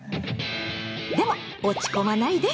でも落ち込まないで！